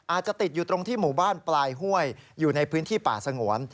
อาจจะติดอยู่ตรงที่หมู่บ้านปลายห้วยอยู่ในพื้นที่ป่าสงวน